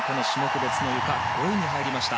去年、種目別のゆか４位に入りました。